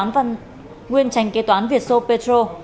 văn nguyên tranh kế toán việt sô petro